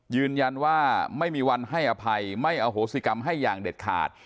ยืนยันว่าไม่มีวันให้อภัยไม่อโหสิกรรมให้อย่างเด็ดขาด